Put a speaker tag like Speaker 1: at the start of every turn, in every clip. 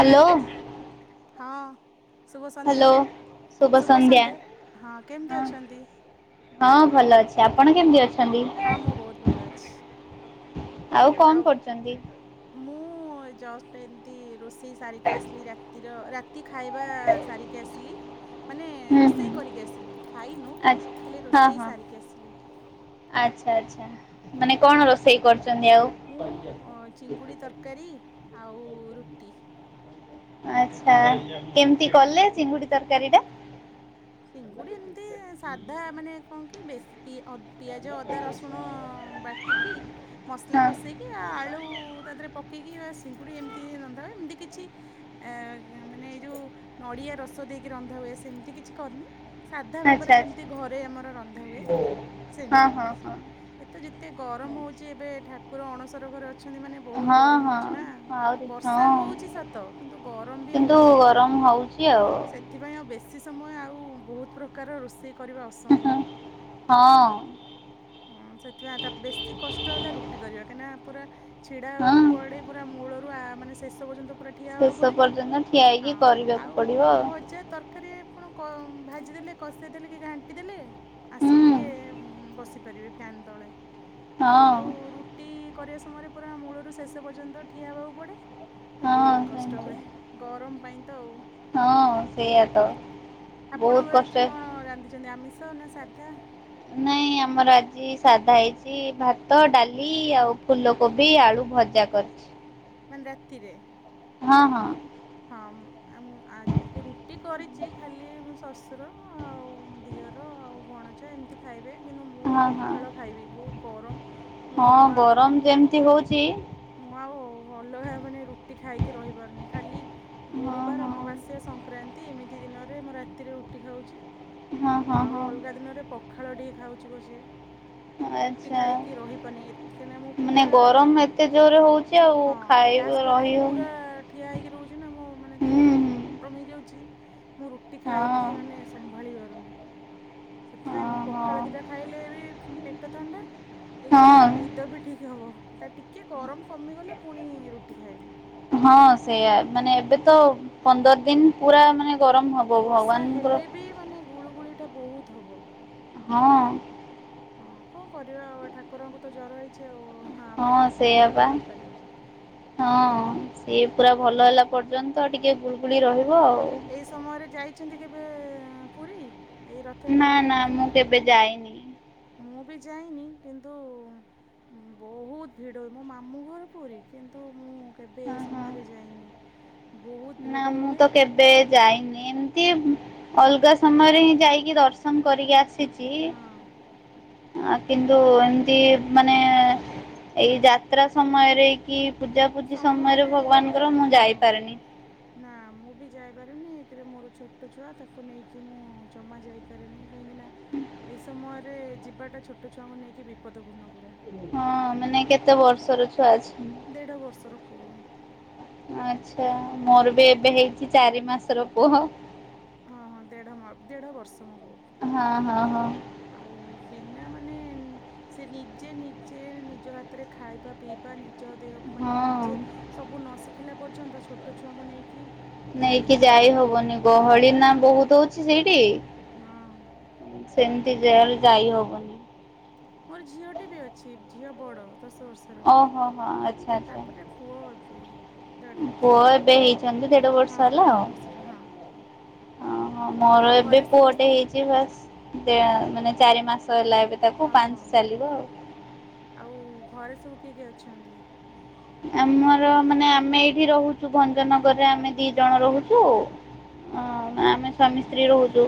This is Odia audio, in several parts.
Speaker 1: ହାଲୋ।
Speaker 2: ହଁ ଶୁଭ ସନ୍ଧ୍ୟା
Speaker 1: ହ୍ୟାଲୋ
Speaker 2: ଶୁଭ ସନ୍ଧ୍ୟା ହଁ କେମିତି ଅଛନ୍ତି?
Speaker 1: ହଁ ଭଲ ଅଛି। ଆପଣ କେମିତି ଅଛନ୍ତି?
Speaker 2: ହଁ ମୁଁ ବହୁତ୍ ଭଲ ଅଛି।
Speaker 1: ଆଉ କଣ କରୁଛନ୍ତି?
Speaker 2: ମୁଁ ଜଷ୍ଟ ଏମିତି ରୋଷେଇ ସାରିକି ଆସିଲି ରାତିର ରା ତି ଖାଇବା ସାରିକି ଆସିଲି। ମାନେ
Speaker 1: ହୁଁ ହୁଁ
Speaker 2: ରୋଷେଇ କରିକି ଆସିଲି। ଖାଇନୁ
Speaker 1: ଆଚ୍ଛା
Speaker 2: ଖାଲି
Speaker 1: ହଁ
Speaker 2: ରୋଷେଇ
Speaker 1: ହଁ
Speaker 2: ସାରିକି ଆସିଲି।
Speaker 1: ଆଚ୍ଛା ଆଚ୍ଛା ମାନେ କଣ ରୋଷେଇ କରୁଛନ୍ତି ଆଉ?
Speaker 2: ତରକାରି ଆଉ ରୁଟି।
Speaker 1: ଆଚ୍ଛା କେମ୍ତି କଲେ ଚିଙ୍ଗୁଡି ତରକାରୀ ଟା?
Speaker 2: ଚିଙ୍ଗୁଡ଼ି ଏମ୍ତି ସାଧା ମାନେ କଣ କି ବେଶ୍ ପି ଅପ୍ ପିଆଜ, ଅଦା, ରସୁଣ ବାଟିକି ମସଲା
Speaker 1: ହଁ
Speaker 2: କଷେଇକି ଆଳୁ ତା ଦେହରେ ପକେଇକି ବାସ୍ ଚିଙ୍ଗୁଡ଼ି ଏମତି ରନ୍ଧାହୁଏ ଏମିତି କିଛି ଆ ମାନେ ଏଇ ଯୋଉ ନଡିଆ ରସ ଦେଇକି ରନ୍ଧା ହୁଏ ସେମତି କିଛି ସେମିତି ମୁଁ କରିନି ସାଧା
Speaker 1: ଆଚ୍ଛା
Speaker 2: ଭାବରେ
Speaker 1: ଆଚ୍ଛା
Speaker 2: ଯେମିତି ଘରେ ଆମର ରନ୍ଧା ହୁଏ
Speaker 1: ହଁ
Speaker 2: ସେମିତି
Speaker 1: ହଁ
Speaker 2: ରାନ୍ଧିଛି।
Speaker 1: ହଁ।
Speaker 2: ଏ ବେ ତ ଯେତେ ଗରମ ହଉଛି ଏବେ ଠାକୁର ଅଣସର ଘରେ ଅଛାନ୍ତି ଆଛନ୍ତି ମାନେ ବହୁତ୍
Speaker 1: ହଁ
Speaker 2: ଗରମ୍
Speaker 1: ହଁ
Speaker 2: ହ‌ଉଚିନା।
Speaker 1: ଆହୁରି ହଁ
Speaker 2: ବର୍ଷାହ‌ଉଚି ସତ କିନ୍ତୁ ଗରମ୍ ବି ହ‌ଉଛି।
Speaker 1: ଏମିଚି ଆଉ
Speaker 2: ଏଥିପାଇଁ ଆଉ ବେଶୀ ସମୟ ଆଉ ବହୁତ୍ ପ୍ରକାର ରୋଷେଇ କରିବା ଅସମ୍ଭବ।
Speaker 1: ହଁ।
Speaker 2: ହଁ ସେଥିପାଇଁ ତ ବେଶୀ କଷ୍ଟ ହେଲା ରୁଟି କରିବା କାହିଁକିନା ପୁରା ଛିଡା
Speaker 1: ହଁ।
Speaker 2: ହେବାକୁ ପଡେ। ପୁରା ମୂଳରୁ ଆ ମାନେ ଶେଷ ପର୍ଯ୍ୟନ୍ତ ପୁରା ଠିଆ
Speaker 1: ସେ
Speaker 2: ହବାକୁ
Speaker 1: ସବୁ
Speaker 2: ପଡ଼େ।
Speaker 1: ପର୍ଯ୍ୟନ୍ତ ଠିଆ ହେଇକି
Speaker 2: ହଁ
Speaker 1: କରିବାକୁ
Speaker 2: ଆଉ
Speaker 1: ପଡିବ ଆଉ।
Speaker 2: ଭଜା ତରକାରୀ କଣ କି ଭାଜି ଦେଲେ କଷେଇଦେଲେ କି ଘାଣ୍ଟି ଦେଲେ ଆସିକି
Speaker 1: ହୁଁ
Speaker 2: ଟିକେ ଉଁ ବସ୍ ଯିବ ଫ୍ୟାନ୍ ତଳେ
Speaker 1: ହଁ
Speaker 2: କିନ୍ତୁ ରୁଟି ରୁଟି କରିବା ସମୟରେ ପୁରା ମୂଳରୁ ଶେଷ ପର୍ଯ୍ୟନ୍ତ ଠିଆ ହବାକୁ ପଡ଼େ।
Speaker 1: ହଁ
Speaker 2: ବହୁତ୍ କଷ୍ଟ ହୁଏ
Speaker 1: ସେମିତି
Speaker 2: ଗରମ ପାଇଁ ତ ଆଉ ଉ।
Speaker 1: ହଁ ସେଇଆା ତ
Speaker 2: ଆପଣଙ୍କ
Speaker 1: ବହୁତ
Speaker 2: ର ଆଜି
Speaker 1: କଷ୍ଟ
Speaker 2: କଣ ରାନ୍ଧିଛନ୍ତି, ଆମିଷ ନା ସାଧା?
Speaker 1: ନାଇଁ ଆମର ଆଜି ସାଧା ହେଇଛି। ଭାତ, ଡାଲି, ଆଉ ଫୁଲକୋବି କୋବି ଆଳୁ ଭଜା କରିଛି।
Speaker 2: ମାନେ ରାତିରେ।
Speaker 1: ହଁ ହଁ।
Speaker 2: ହଁ, ହଁ ଆ ମୁଁ ରୁଟି କରିଛି ଖାଲି ଶ୍ୱଶୁର ଆଉ ଦିଅର ଆଉ ଭଣଜା ଏମିତି ଖାଇବେ କିନ୍ତୁ ମୁଁ
Speaker 1: ହଁ ହଁ
Speaker 2: ପଖାଳ ଖାଇବି ବହୁତ୍ ଗରମ୍
Speaker 1: ହଁ ଗରମ ଯେମିତି ହଉଛି
Speaker 2: ମୁଁ ଆଉ ଅଲଗା ମାନେ ରୁଟି ଖାଇକି ରହିପାରୁନି ଖାଲି
Speaker 1: ହଁ
Speaker 2: ଗୁରୁବାର,
Speaker 1: ହଁ
Speaker 2: ଅମାବାସ୍ୟା, ସଂକ୍ରାନ୍ତି ଏମିତି ଦିନରେ ମୁଁ ରାତିରେ ରୁଟି ଖାଉଛି।
Speaker 1: ହଁ ହଁ
Speaker 2: ଆଉ
Speaker 1: ହଁ
Speaker 2: ଅଲଗା ଦିନରେ ପଖାଳଟିିଏ ଖାଉଛିିବସି ଏ। ମୁଁ ରୁଟି
Speaker 1: ଆଚ୍ଛା
Speaker 2: ଖାଇକି ରହିପାରୁି ଏ କାହିଁକନା ମୁଁ
Speaker 1: ମାନେ
Speaker 2: ପୁରା
Speaker 1: ଗରମ ଏତେ ଜୋରରେ ହଉଛି ଆଉ
Speaker 2: ହଁ
Speaker 1: ଖାଇବା
Speaker 2: ଗ୍ୟାସ୍
Speaker 1: ରହି
Speaker 2: ପାଖରେ ପୁରା
Speaker 1: ହଉନି
Speaker 2: ଠିଆ ହେଇକି ରହୁଛି। ନା ମୋ ମାନେ
Speaker 1: ହୁଁ
Speaker 2: ଦେହ
Speaker 1: ହୁଁ
Speaker 2: ଗରମ ହେଇଯାଉଛି। ମୁଁ ରୁଟି
Speaker 1: ହଁ
Speaker 2: ଖାଇକି ମାନେ ସମ୍ଭାଳି ପାରୁନି। ସେଥିପାଇଁ ମୁଁ
Speaker 1: ହଁ
Speaker 2: ପଖାଳ ଦୁଇଟା
Speaker 1: ହଁ
Speaker 2: ଖାଇଲେ ବି ପେଟ ଥଣ୍ଡା। ଏଥିରେ
Speaker 1: ହଁ
Speaker 2: ନିଦ ବି ଠିକ୍ ହେବ। ତା ଟିକିଏ ଗରମ କମିଗଲେ ପୁଣି ରୁଟି ଖାଇବି।
Speaker 1: ହଁ ସେଇଆା ମାନେ ଏବେ ତ ପନ୍ଦର ଦିନ ପୁରା ମାନେ ଗରମ ହବ।
Speaker 2: ବର୍ଷା
Speaker 1: ଭଗବାନଙ୍କର
Speaker 2: ହେଲେ ବି ମାନେ ଗୁଳୁଗୁଳିଟା ବହୁତ ହେବ।
Speaker 1: ହଁ।
Speaker 2: ହଁ କଣ କରିବା। ଆଉ ଠାକୁରଙ୍କୁ ତ ଜ୍ଵର ହେଇଛି ଆଉ ହଁ ଆମେ ଆଉ କେଉଁଠି
Speaker 1: ସେଇଆ ପା
Speaker 2: ଭଲରେ ରହିପାରିବା।
Speaker 1: ହଁ ସିଏ ପୁରା ଭଲ ହେଲା ପର୍ଯ୍ୟନ୍ତ ଟିକେ ଗୁଳୁଗୁଳି ରହିବ ଆଉ।
Speaker 2: ଏଇ ସମୟରେ ଯାଇଛନ୍ତି କେବେ ପୁରୀ? ଏଇ
Speaker 1: ନା
Speaker 2: ରଥଯାତ୍ରା
Speaker 1: ନା ମୁଁ କେବେ ଯାଇନି।
Speaker 2: ସମୟରେ ମୁଁ ବି ଯାଇନି କିନ୍ତୁ ବହୁତ ଭିଡ଼ ହୁଏ। ମୋ ମାମୁଁ ଘର ପୁରୀ କିନ୍ତୁ ମୁଁ କେବେ
Speaker 1: ହଁ
Speaker 2: ଏଇ
Speaker 1: ହଁ
Speaker 2: ସମୟରେ ଯାଇନି। ବହୁତ ଭିଡ ହୁଏ।
Speaker 1: ଏବେ ଯାଇନି ଏମତି ଅଲଗା ସମୟରେ ହିଁ ଯାଇକି ଦର୍ଶନ କରିକି ଆସଚି
Speaker 2: ହଁ
Speaker 1: [inaudible] ଆ କିନ୍ତୁ ଏମିତି ମାନେ ଏଇ ଯାତ୍ରା ସମୟରେ କି ପୂଜା ପୂଜି ସମୟରେ ଭଗବାନଙ୍କର ମୁଁ
Speaker 2: ହଁ
Speaker 1: ଯାଇପାରେନି।
Speaker 2: ନା ମୁଁ ବି ଯାଇପାରୁନି ଏକରେ ମୋର ଛୋଟ ଛୁଆ ତାକୁ ନେଇକି ମୁଁ ଜମା ଯାଇ ପାରେନି କାହିଁକି ନା ଏ ସମୟରେ ଯିବାଟା ଛୋଟ ଛୁଆଙ୍କୁ ନେଇକି ବିପଦପୂର୍ଣ୍ଣ ପୁରା।
Speaker 1: ହଁ ମାନେ କେତେ ବର୍ଷର ଛୁଆ ଅଛି?
Speaker 2: ଦେଢ଼ ବର୍ଷର ପୁଅ।
Speaker 1: ଆଚ୍ଛା ମୋର ବି ଏବେ ହେଇଛି ଚାରି ମାସର ପୁଅ।
Speaker 2: ହଁ, ହଁ ଦେଢ ମ-ଦେଢ ବର୍ଷ ମୋ ବୋଉ।
Speaker 1: ହଁ, ହଁ, ହଁ।
Speaker 2: ଆଉ ବିନା ମାନେ ଉଁ, ସେ ନିଜେ ନିଜେ ନିଜ ହାତରେ ଖାଇବା ପିଇ ବା ନିଜ ଦେହକୁ ମାନେ
Speaker 1: ହଁ।
Speaker 2: ନିଜେ ସବୁ ନ ଶିଖିଲା ପର୍ଯ୍ୟନ୍ତ ଛୋଟ ଛୁଆଙ୍କୁ ନେଇକି
Speaker 1: ନେଇକି ଯାଇ ହବନି ଗହଳି ନା ବହୁତ ହଉଛି ସେଇଠି।
Speaker 2: ହଁ
Speaker 1: ସେମିତି ଯାଇ ଯାଇ ହବନି।
Speaker 2: ମୋର ଝିଅଟି ବି ଅଛି ଝିଅ ବଡ ଦଶ ବର୍ଷ ଷର
Speaker 1: ଓହୋ ହୋ ଆଚ୍ଛା ଆଚ୍ଛା
Speaker 2: ତାପରେ ପୁଅ ଏବେ ଦେଢ଼
Speaker 1: ପୁଅ
Speaker 2: ବର୍ଷର।
Speaker 1: ଏବେ ହେଇଛନ୍ତି ଦେଢ ବର୍ଷ
Speaker 2: ହଁ
Speaker 1: ହେଲା
Speaker 2: ଦେଢ଼
Speaker 1: ଆଉ।
Speaker 2: ବର୍ଷରେ ହଁ।
Speaker 1: ଓହୋ, ମୋର
Speaker 2: ଆଉ
Speaker 1: ଏବେ
Speaker 2: ଘରେ ସମସ୍ତ
Speaker 1: ପୁଅଟେ ହେଇଛି ବାସ୍। ଦେଅ ମାନେ ଚାରି ମାସ ହେଲା ଏବେ ତାକୁ
Speaker 2: ହଁ ହଁ
Speaker 1: ପାଞ୍ଚ ଚାଲିବ ଆଉ।
Speaker 2: ଆଉ ଘରେ ସବୁ କିଏ କିଏ ଅଛନ୍ତି?
Speaker 1: ଆମର ମାନେ ଆମେ ଏଇଠି ରହୁଛୁ ଭଞ୍ଜନଗରରେ ଆମେ ଦି ଜଣ ରହୁଛୁ। ଓ ଆମେ ସ୍ୱାମୀ ସ୍ତ୍ରୀ ରହୁଛୁ।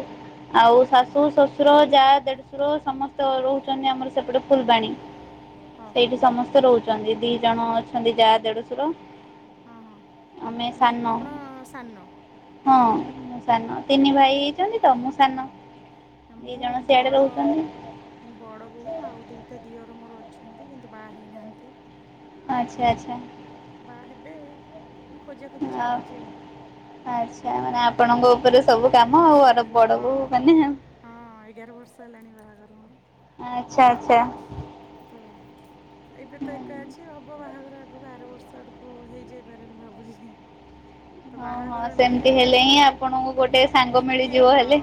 Speaker 1: ଆଉ ଶାଶୁ, ସଶୁର, ଯା, ଦେଢଶୁର ସମସ୍ତ ରହୁଛନ୍ତି ଆମର ସେପଟେ ଫୁଲବାଣୀ।
Speaker 2: ହଁ ହଁ
Speaker 1: ସେଇଠି
Speaker 2: ହଁ
Speaker 1: ସମସ୍ତେ ରହୁଛନ୍ତି ଦି ଜଣ ଅଛନ୍ତି ଯା ଦେଢଶୁର।
Speaker 2: ହଁ, ହଁ
Speaker 1: ଆମେ
Speaker 2: ଆ, ଦି
Speaker 1: ସାନ।
Speaker 2: ଆପଣ ସାନ?
Speaker 1: ହଁ। ସାନ ତିନି
Speaker 2: ହଁ
Speaker 1: ଭାଇ ହେଇଛନ୍ତି ତ, ମୁଁ ସାନ,
Speaker 2: ହଁ ନା
Speaker 1: ଦି
Speaker 2: ମୁଁ
Speaker 1: ଜଣ ସିଆଡେ
Speaker 2: ବଡ଼
Speaker 1: ରହୁଛନ୍ତି।
Speaker 2: ମୁଁ ବଡ଼ ବୋହୁ ଆଉ ଦିଟା ଦିଅର ମୋର ଅଛନ୍ତି କିନ୍ତୁ ବାହା ହେଇନାହାନ୍ତି।
Speaker 1: ଆଚ୍ଛା
Speaker 2: ଆଉ
Speaker 1: ଆଚ୍ଛା
Speaker 2: ବା ହେବେ ମାନେ ଖୋଜାଖୋଜି ଚାଲିଛି ଆଉ।
Speaker 1: ଆଚ୍ଛା ମାନେ ଆପଣଙ୍କ ଉପରେ ସବୁ କାମ ଆଉ ଅର
Speaker 2: ସବୁ
Speaker 1: ବଡ
Speaker 2: ହଁ
Speaker 1: ବୋହୁ ମାନ ଆଉ।
Speaker 2: ହଁ ଏଗାର ବର୍ଷ ହେଲାଣି ବାହାଘର ମୋର।
Speaker 1: ଓ ଆଚ୍ଛା,
Speaker 2: ଆଉ
Speaker 1: ଆଚ୍ଛା।
Speaker 2: ତ ଏବେ ତ ଏକା ଅଛି, ହ ପୁଅ ବାହାଘର ଆଗକୁ ଆର ବର୍ଷ ଆଡ଼କୁ ହେଇଯାଇପାରେ ମୁଁ ଭାବୁଛି। ତ
Speaker 1: ହଁ ହଁ
Speaker 2: ବାହାଘର ଏମିତି ଯେ
Speaker 1: ସେମିତି ହେଲେ
Speaker 2: ଠାକୁର
Speaker 1: ହିଁ
Speaker 2: ଯେ ତୋ
Speaker 1: ଆପଣଙ୍କୁ ଗୋଟେ ସାଙ୍ଗ
Speaker 2: ଟିକେ
Speaker 1: ମିଳିଯିବ
Speaker 2: ହଁ,
Speaker 1: ହେଲେ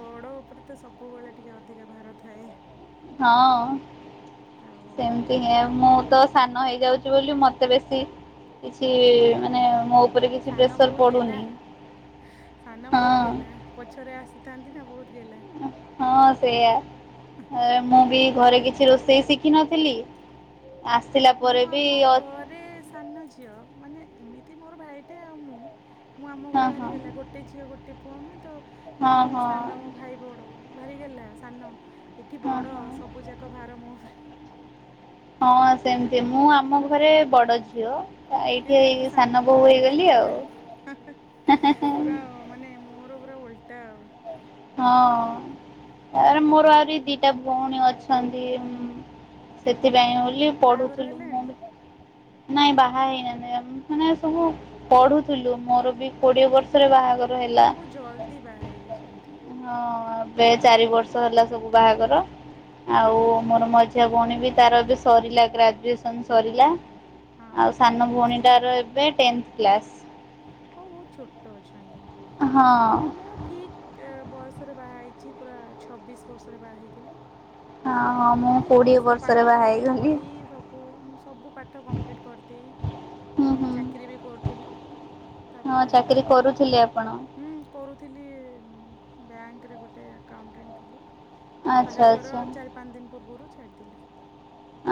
Speaker 2: ବଡ଼ ଉପରେ ତ ସବୁବେଳେ ଟିକେ ଅଧିକା ଭାର ଥାଏ।
Speaker 1: ହଁ
Speaker 2: ଆଉ
Speaker 1: ସେମିତି
Speaker 2: ବାକି
Speaker 1: ହିଁ ଆଉ
Speaker 2: କଣ
Speaker 1: ମୁଁ ତ
Speaker 2: କରିବା ଆଉ
Speaker 1: ସାନ ହେଇଯାଉ ଛି ବୋଲି ମୋତେ ବେଶୀ କିଛି ମାନେ ମୋ ଉପରେ କିଛି
Speaker 2: ସାନ
Speaker 1: ପ୍ରେସର୍
Speaker 2: ବହୁତ ଗେଲା।
Speaker 1: ପଡୁନି,
Speaker 2: ସାନ
Speaker 1: ହଁ।
Speaker 2: ବହୁତ ଗେଲା ପଛରେ ଆସିଥାନ୍ତି ନା ବହୁତ ଗେହ୍ଲା।
Speaker 1: ହଁ ସେଇଆ। ଏ ମୁଁ ବି ଘରେ କିଛି ରୋଷେଇ ଶିଖିନଥିଲି ଆସିଲା ପରେ ବି ଅ
Speaker 2: ରେ ସାନ ଝିଅ, ମାନେ ଏମିତି ମୋର ଭାଇଟେ ଆଉ ମୁଁ, ମୁଁ ଆମ
Speaker 1: ହଁ
Speaker 2: ଘରେ ଭାରି
Speaker 1: ହଁ
Speaker 2: ଗେହ୍ଲା। ଗୋ ଟେ ଝିଅ ଗୋଟେ ପୁଅ ଆମେ ତ
Speaker 1: ହଁ
Speaker 2: ମୁଁ
Speaker 1: ହଁ
Speaker 2: ସାନ ମୋ ଭାଇ ବଡ଼ ଭାରିଗେହ୍ଲା। ସାନ ଏଠି
Speaker 1: ହଁ
Speaker 2: ବଡ
Speaker 1: ହଁ।
Speaker 2: ସବୁ ଯାକ ଭାର ମୋ ଉପରେ।
Speaker 1: ହଁ ସେମତି ମୁଁ ଆମ ଘରେ ବଡ ଝିଅ।
Speaker 2: କିନ୍ତୁ ଏଠି
Speaker 1: ଏଇଠିଇ ସାନ
Speaker 2: ବୋହୁ
Speaker 1: ବୋଉୂ
Speaker 2: ହେଇଯାଇଛି
Speaker 1: ହେଇଗଲି ଆଉ
Speaker 2: ଯା।
Speaker 1: ହେଁ-ହେଁ-ହେଁ।
Speaker 2: ପୁରା ମାନେ ମୋର ପୁରା ଓଲଟା ଆଉ
Speaker 1: ହଁ। ଆରେ ମୋର ଆହୁରି ଦିଟା ଭଉଣୀ ଅଛନ୍ତି। ସେଥିପାଇଁ ହଉ ଇଲି
Speaker 2: ବାହାଘର
Speaker 1: ପଢୁଥିଲୁ, ମୁଁ
Speaker 2: ହେଲାଣି?
Speaker 1: ନାଇଁ ବାହା ହେଇନାହନ୍ତି ମାନେ ସବୁ ପଢୁଥିଲୁ ମୋର ବି କୋଡିଏ ବର୍ଷରେ ବାହାଘର ହେଲା।
Speaker 2: ବହୁତ୍ ଜଲଦି ବାହାହେଇ ଯାଇଛନ୍ତି।
Speaker 1: ହଁ ଏବେ ଚାରି ବର୍ଷ ହେଲା ସବୁ ବାହାଘର
Speaker 2: ହଁ
Speaker 1: ଆଉ
Speaker 2: ହଁ
Speaker 1: ମୋର ମଜି ଝିଆ ଭଉଣୀ ବି ତାର ଏବେ ସରିଲା ଗ୍ରାଜୁଏସନ ସରିଲା।
Speaker 2: ହଁ ହଁ
Speaker 1: ଆଉ
Speaker 2: ହଉ
Speaker 1: ସାନ ଭଉଣୀଟାର ଏବେ ଟେନ୍ଥ କ୍ଲାସ।
Speaker 2: ସବୁ ବହୁତ ଛୋଟ ଅଛନ୍ତି। ହଁ ମୁଁ ଠିକ୍ ବୟସରେ ବାହା ହେଇଛି ପୁରା ଛବିଶ ବର୍ଷରେ ବାହା ହେଇଥିଲି। ତ
Speaker 1: ହଁ
Speaker 2: ମୁଁ ଠିକ
Speaker 1: କୋଡିଏ
Speaker 2: ବୟସରେ
Speaker 1: ବର୍ଷରେ
Speaker 2: ପାଠ
Speaker 1: ବାହା ହେଇଗଲି
Speaker 2: ପଢି ସବୁ ଓ ମୁଁ ସବୁ ପାଠ କମ୍ପିଲିଟ କରିଦେଇ
Speaker 1: ହୁଁ
Speaker 2: ମାନେ
Speaker 1: ହୁଁ
Speaker 2: ଚାକିରୀ ବି କରୁଥିଲି। ତାପରେ
Speaker 1: ହଁ
Speaker 2: ବାହା
Speaker 1: ଚାକିରି
Speaker 2: ହେଇଛି।
Speaker 1: କରୁଥିଲେ ଆପଣ
Speaker 2: ହୁଁ କରୁଥିଲି ବ୍ୟାଙ୍କରେ ଗୋଟେ ଆକାଉଟେଣ୍ଟ ଥିଲି।
Speaker 1: ଆଚ୍ଛା
Speaker 2: ବାହାଘର
Speaker 1: ଆଚ୍ଛା
Speaker 2: ଚାରି ପାଞ୍ଚ ଦିନ ପୂର୍ବରୁ ଛାଡ଼ିଦେଲି।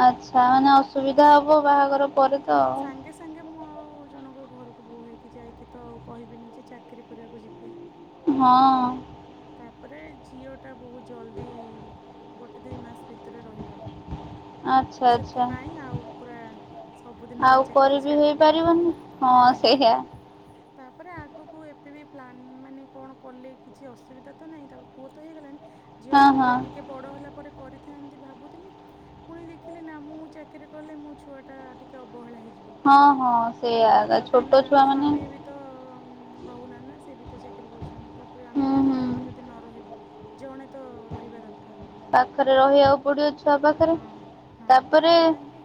Speaker 1: ଆଚ୍ଛା ମାନେ ଅସୁବିଧା ହବ ବାହାଘର ପରେ ତ ଆଉ।
Speaker 2: ତେଙ୍ଗେ ମୁଁ ଆଉ ଜଣଙ୍କ ଘରକୁ ବୋହୁ ହେଇକି ଯାଇକି ତ ଆଉ କହିବିନି ଯେ ଚାକିରି କରିବାକୁ ଯିବି।
Speaker 1: ହଁ।
Speaker 2: ତାପରେ ଝିଅଟା ବହୁତ ଜଲଦି ଗୋଟେ ଦୁଇ ମାସ ଭିତରେ ରହିଗଲା। ଁ
Speaker 1: ଆଚ୍ଛା
Speaker 2: ତ
Speaker 1: ଆଚ୍ଛା
Speaker 2: ସେଥିପାଇଁ ଆଉ ପୁରା ସବୁଦିନ ପାଇଁ
Speaker 1: ଆଉ
Speaker 2: ଚାକିରି
Speaker 1: କରିବି
Speaker 2: ଛାଡ଼ିଦେଲି ଆଉ।
Speaker 1: ହେଇପାରିବନି ହଁ ସେହିଆ।
Speaker 2: ଆ [unintelligible] ତାପରେ ଆଗକୁ ଏବେ ବି ପ୍ଲାନ୍ ମାନେ କଣ କଲେ କିଛି ଅସୁବିଧା ତ ନାହିଁ ତାପରେ ପୁଅ ତ ହେଇଗଲାଣି। ଝିଅ
Speaker 1: ହଁ ହଁ
Speaker 2: ପରେ ଟିକେ ବଡ ହେଲା ପରେ କରିଥାନ୍ତି ଭାବୁଥିଲି ପୁଣି ଦେଖିଲି ନା ମୁଁ ଚାକିରି କଲେ ମୋ ଛୁଆଟା ଟିକିଏ ଅବହେଳା ହେଇଯିବ।
Speaker 1: ହଁ ହଁ ସେଇଆ ତା
Speaker 2: ଆଉ କାହିଁକିନା
Speaker 1: ଛୋଟ ଛୁଆ ମାନେ।
Speaker 2: ସ୍ୱାମୀ ବି ତ ରହୁନାହାନ୍ତି ନା ସେ ବି ତ ଚାକିରୀ କରୁଛନ୍ତି ତାପରେ
Speaker 1: ହୁଁ
Speaker 2: ଆମ ଦି
Speaker 1: ହୁଁ
Speaker 2: ଜଣ ଯଦି ନ ରହିବୁ, ଜଣେ ତ ରହିବା ଦରକାର।
Speaker 1: ପାଖରେ ରହିବାକୁ ପଡିବ ଛୁଆ ପାଖରେ
Speaker 2: ହଁ ହଁ
Speaker 1: ତାପରେ
Speaker 2: ସେଥିପାଇଁକା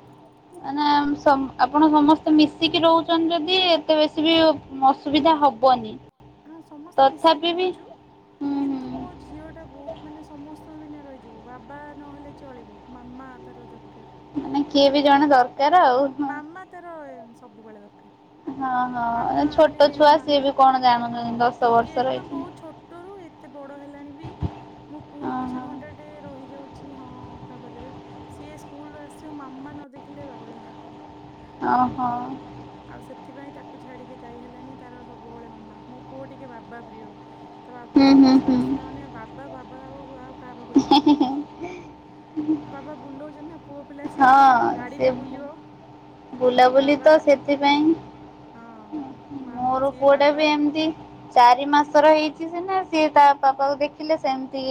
Speaker 1: ମାନେ ଆମ ସମ ଆପଣ ସମସ୍ତେ ମିଶିକି ରହୁଛନ୍ତି ଯଦି ଏତେ ବେଶୀ ବି ଅସୁବିଧା ହବନି।
Speaker 2: ହଁ ସମସ୍ତେ ମିଶିକି
Speaker 1: ତଥାପି ବି
Speaker 2: ରହୁଛୁ।
Speaker 1: ହୁଁ
Speaker 2: କିନ୍ତୁ
Speaker 1: ହୁଁ
Speaker 2: ମୋ ଝିଅଟା ବହୁତ ମାନେ ସମସ୍ତଙ୍କ ବିନା ରହିଯିବ ବାବା ନହେଲେ ଚଳିବ। ମାମା ତାର ଦରକାର।
Speaker 1: ମାନେ କିଏ ବି ଜଣେ
Speaker 2: ସବୁବେଳେ
Speaker 1: ଦରକାର ଆଉ
Speaker 2: ମାମା ତାର ସବୁବେଳେ ଦରକାର।
Speaker 1: ହଁ ହଁ
Speaker 2: ମାମା
Speaker 1: ଛୋଟ
Speaker 2: ମନେ
Speaker 1: ଛୁଆ
Speaker 2: ମା
Speaker 1: ସିଏ ବି କଣ
Speaker 2: ହଁ
Speaker 1: ଜାଣୁଛନ୍ତି ଦଶ
Speaker 2: ଟିକେ
Speaker 1: ବର୍ଷର
Speaker 2: ମ
Speaker 1: ଏଇଠି।
Speaker 2: ବହୁତ ଛୋଟରୁ ଏତେ ବଡ଼ ହେଲାଣି ବି ମୋ ପୁଅ ପଛେ
Speaker 1: ଓହୋ
Speaker 2: ଘଣ୍ଟାଟେ ରହିଯାଉଛି ହଁ କାହା ପାଖରେ ସିଏ ସ୍କୁଲରୁ ଆସିବ ମାମା ନ ଦେଖିଲେ ବାଉଳା।
Speaker 1: ଓହୋ।
Speaker 2: ଆଉ ସେଥିପାଇଁ ତାକୁ ଛାଡ଼ିକି ଯାଇ ହେଲୋନି ତାର ସବୁବେଳେ ମାମା, ମୋ ପୁଅ ଟିକେ ବାବା ପ୍ରିୟ। ତା ବାବା
Speaker 1: ହୁଁ ହୁଁ
Speaker 2: ଅଫିସରୁ
Speaker 1: ହୁଁ
Speaker 2: ଆସିଲା ମାନେ ବାବା ବାବା ଆଉ ଆଉ କାହା ପାଖକୁ ଯିବନାହିଁ।
Speaker 1: ଉ ହୁଁ।
Speaker 2: ବାବା ବୁଲଉଛନ୍ତି ନା ପୁଅ ପିଲା ସିଏ
Speaker 1: ସେ
Speaker 2: ଗାଡ଼ିରେ ବୁଲିବ
Speaker 1: ବୁଲାବୁଲି
Speaker 2: ବାବା।
Speaker 1: ତ ସେଥିପାଇଁ
Speaker 2: ହଁ ଉ ମା
Speaker 1: ମୋର
Speaker 2: ସିଏ
Speaker 1: ପୁଅଟା
Speaker 2: ବାବା
Speaker 1: ବି ଏମିତି ଚାରି ମାସର ହେଇଛି ସିନା ସିଏ ତା ବାପା ଦେଖିଲେ ସେମିତି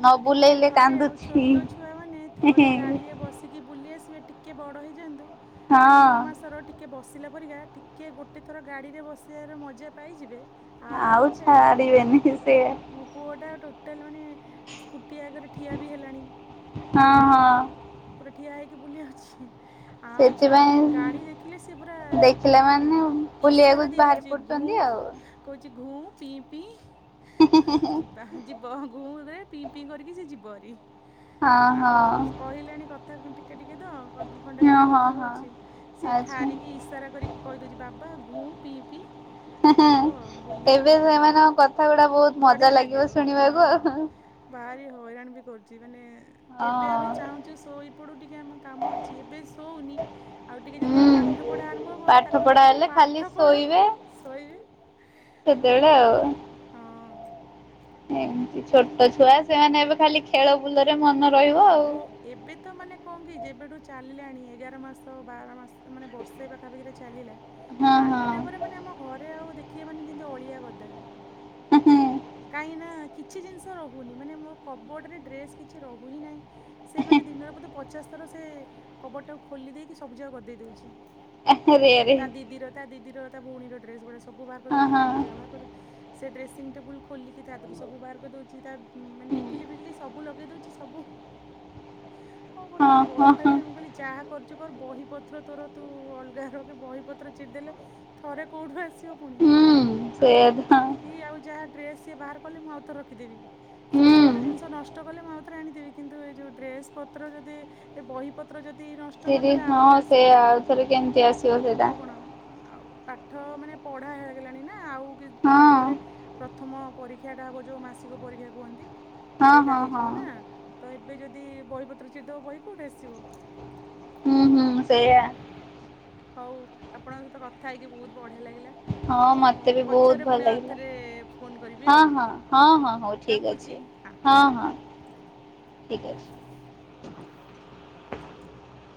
Speaker 1: ନ
Speaker 2: ଟିକେ
Speaker 1: ବୁଲେଇଲେ
Speaker 2: ଥରେ ଆଉ
Speaker 1: କାନ୍ଦୁଛି।
Speaker 2: ଛୋଟ ଛୁଆ ମାନେ ଥରେ ଗାଡି ରେ ବସି ଟିକେ ବୁଲି ଆସିବେ ଟିକେ ବଡ ହେଇଯାନ୍ତୁ
Speaker 1: ହଁ
Speaker 2: ଆଠ ନଅ ମାସ ଟି ଟିକେ ବସିଲା ପରିକା ଯାହା ଟିକେ ଗୋଟେ ଥର ଗାଡିରେ ବସିବାର ମଜା ପାଇଯିବେ।
Speaker 1: ଆଉ ଛାଡ଼ିବେନି ସେ।
Speaker 2: ମୋ ପୁଅଟା ଟୋଟାଲି ମାନେ ସ୍କୁଟି ଆଗରେ ଠିଆବି ହେଲାଣି
Speaker 1: ହଁ
Speaker 2: ତ
Speaker 1: ହଁ
Speaker 2: ପୁରା ଠିଆହେଇକି ବୁଲିଆଉଛି। ଆଉ
Speaker 1: ସେଥିପାଇଁ
Speaker 2: ଛାଡ଼ନି ଗାଡ଼ି ଦେଖିଲେ ସେ ପୁରା
Speaker 1: ଦେଖିଲା ମାନେ ବୁଲିବାକୁ
Speaker 2: ଇଶାରା
Speaker 1: ବାହାରି
Speaker 2: ଦେଇଦଉଛି
Speaker 1: ପଡୁଛନ୍ତି
Speaker 2: ଘୁଁ।
Speaker 1: ଆଉ।
Speaker 2: କହୁଛି ଘୁଁ ପିଇ ପିଇ ଯିବା ଯିବ ଘୁଁରେ। ପି ପି କରିକି ସେ ଯିବରି
Speaker 1: ହଁ
Speaker 2: ଆଉ
Speaker 1: ହଁ।
Speaker 2: କହିଲାଣି କ କଥା ଟିକେ ଟିକେ ତ ଖଣ୍ଡେ
Speaker 1: ହଁ
Speaker 2: ଖଣ୍ଡେ
Speaker 1: ହଁ
Speaker 2: କଥା କହୁଛି
Speaker 1: ହଁ
Speaker 2: ସେ
Speaker 1: ଆଚ୍ଛା।
Speaker 2: ଠାରିକି ଇସ୍। ସାରା କରିକି କହିଦେଉଛି ବାବା ଘୁଁ ପିଇ ପିଇ
Speaker 1: ହେଁ ହେଁ
Speaker 2: ଯିବ ଆଉ ବୁଲିବାକୁ
Speaker 1: ଏବେ
Speaker 2: ଆଉ
Speaker 1: ସେମାନଙ୍କ କଥା ଗୁଡା ବହୁତ ମଜା
Speaker 2: ବଢିଆ ଲାଗିବ ହଁ।
Speaker 1: ଶୁଣିବାକୁ ଆଉ।
Speaker 2: ଭାରି ହଇରାଣ ବି କରୁଛି ମାନେ ଏବେ ଆମେ ଚାହୁଁଛୁ ଶୋଇପଡୁ ଟିକେ ଆମକୁ କାମ ଅଛି ଏବେ ଶୋଉନି। ଆଉ ଟିକେ
Speaker 1: ହଁ
Speaker 2: ଯେତେବେଳେ ପାଠ
Speaker 1: ହୁଁ
Speaker 2: ପଢା ଆରମ୍ଭ ହବ
Speaker 1: ପାଠ
Speaker 2: ତାକୁ ଆମେ
Speaker 1: ପଢା
Speaker 2: କହୁଥିଲୁ
Speaker 1: ହେଲେ ଖାଲି
Speaker 2: ପାଠ ପଢ
Speaker 1: ଶୋଇବେ
Speaker 2: ଶୋଇବେ।
Speaker 1: ସେତେବେଳେ ଆଉ।
Speaker 2: ହଁ।
Speaker 1: ଏମିତି ଛୋଟ ଛୁଆ ସେମାନେ ଏବେ ଖାଲି ଖେଳ ବୁଲରେ ମନ। ରହିବ
Speaker 2: ହଁ
Speaker 1: ଆଉ।
Speaker 2: ବୁ ଏବେ ତ ମାନେ କହ କି ଯେବେଠୁ ଚାଲିଲାଣି ଏଗାର ମାସ ବାର ମାସ ମାନେ ବର୍ଷେ ପାଖାପାଖିରେ ଚାଲିଲା।
Speaker 1: ହଁ ହଁ
Speaker 2: ଚାଲିଲା ପରେ ମାନେ ଆମ ଘରେ ଆଉ ଦେଖିବ ମାନେ ଯେମତି ଅଳିଆ ଗଦା।
Speaker 1: ଉ ହୁଁ।
Speaker 2: କାହିଁକି ନା କିଛି ଜିନିଷ ରହୁନି ମାନେ ମୋର କବୋଡ଼ରେ ଡ୍ରେସ୍ କିଛି ରହୁ ହି ନାହିଁ। ସେ ମାନେ ଦିନରେ ବୋଧେ ପଚାଶ ଥର ସେ କବୋର୍ଡ ତାକୁ ଖୋଲି ଦେଇକି ସବୁଜା ଗଦେଇଦଚି।
Speaker 1: ହେଁ ଆରେ ଆରେ
Speaker 2: ତା ଦିଦିର ତା ଦିଦିର ତା ଭଉଣୀର ଡ୍ରେସ ଗୁଡା ସବୁ ବାହାର
Speaker 1: ହଁ
Speaker 2: କରିଦଉଛି ତା
Speaker 1: ହଁ।
Speaker 2: ନିଜର ବାହାର କରିଦଉଛି। ସେ ଡେସିଂ ଟେବୁଲ୍ ଖୋଲିକି ତା ଦେହରୁ ସବୁ ବାହାର କରି ଦଉଛି ତା ମାନେ ଟିକିଲି ଫିକିଲି ସବୁ ଲଗେଇ ଦଉଛି ସବୁ କଣ କରିବୁ ତା
Speaker 1: ହଁ
Speaker 2: ବ
Speaker 1: ହଁ
Speaker 2: ମୁଁ ଖାଲି
Speaker 1: ହଁ
Speaker 2: ମୁଁ କହିଲି ଯାହା କରୁଚୁ କର ବହିପତ୍ର ତୋର ତୁ ଅଲଗା ରଖେ ବହିପତ୍ର ଚିରି ଦେଲେ ଥରେ କୋଉଠୁ ଆସିବ ପୁଣି।
Speaker 1: ହୁଁ
Speaker 2: ଆଉ
Speaker 1: ସେଇଆ ତ
Speaker 2: ବାକି ଆଉ ଯାହା ଡ୍ରେସ୍ ସିଏ ବାହାର କଲେ ମୁଁ ଆଉଥର ରଖିଦେବି
Speaker 1: ହୁଁ।
Speaker 2: ସଜବାଜ ଜିନିଷ ନଷ୍ଟ ନଷ୍ଟ କଲେ ମୁଁରେ ଆଣିଦେବି କିନ୍ତୁ ଏ ଯଉ ଡ୍ରେସ ପତ୍ର ଯଦି ବହି ପତ୍ର ଯଦି ନଷ୍ ନଷ୍ଟ
Speaker 1: ସିରି
Speaker 2: କରିଦେଲେ ଆଉ ଥରେ
Speaker 1: ହଁ ସେଇଆ
Speaker 2: ଆସିପାରିବନି
Speaker 1: ଆଉଥରେ କେମିତି ଆସିବ ସେଇଟା
Speaker 2: ଆଉ କଣ ଆଉ। ପାଠ ମାନେ ପଢ଼ା ହେଗଲାଣି ନା ଆଉ କିଛି ଦିନ
Speaker 1: ହଁ।
Speaker 2: ପରେ ପ୍ରଥମ ପରୀକ୍ଷାଟା ହେବ ଯୋଉଁ ମାସିକ ପରୀକ୍ଷା କୁହନ୍ତି
Speaker 1: ହଁ
Speaker 2: ସେଇଟା
Speaker 1: ହଁ ହଁ
Speaker 2: ହେଇଯିବ ନା। ତ ଏବେ ଯଦି ବହିପତ୍ର ଚିରିଦେବ ବହି କେଉଁଠି ଆସିବ।
Speaker 1: ହୁଁ ହୁଁ ସେଇଆ।
Speaker 2: ହଉ ଆପଣଙ୍କ ସହିତ କଥା ହେଇକି ବହୁତ ବଢ଼ିଆ ଲାଗିଲା।
Speaker 1: ହଁ
Speaker 2: ମୁଁ
Speaker 1: ମତେ ବି ବହୁତ
Speaker 2: ପଛରେ
Speaker 1: ଭଲ
Speaker 2: ପୁଣି
Speaker 1: ଲାଗିଲା।
Speaker 2: ଆଉଥରେ ଫୋନ୍ କରିବି
Speaker 1: ହଁ
Speaker 2: ଆଉ
Speaker 1: ହଁ, ହଁ ହଁ ହଉ ଠିକ୍ ଅଛି। ହଁ ହଁ, ଠିକ୍ ଅଛି।